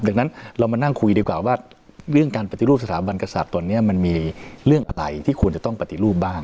ดังนั้นเรามานั่งคุยดีกว่าว่าเรื่องการปฏิรูปสถาบันกษัตริย์ตอนนี้มันมีเรื่องอะไรที่ควรจะต้องปฏิรูปบ้าง